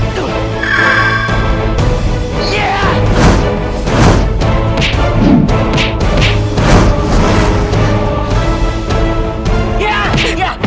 aku tidak bisa mengendalikan jurusku